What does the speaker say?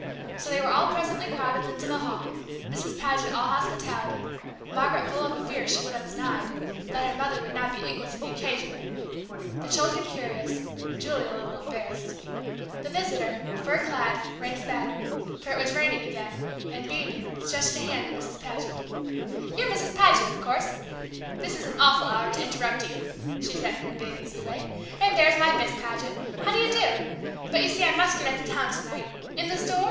So they were all presently crowded into the hall, Mrs. Paget all hospitality, Margaret full of a fear she would have denied that her mother would not be equal to the occasion, the children curious, Julie a little embarrassed. The visitor, fur clad, rain spattered, for it was raining again, and beaming, stretched a hand to Mrs. Paget. "You're Mrs. Paget, of course, this is an awful hour to interrupt you," she said in her big, easy way, "and there's my Miss Paget, how do you do? But you see I must get up to town to night in this door?